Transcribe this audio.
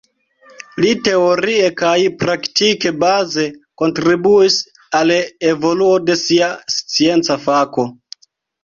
Li teorie kaj praktike baze kontribuis al evoluo de sia scienca fako.